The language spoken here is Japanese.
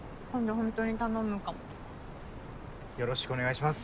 ホントに頼むかもよろしくお願いします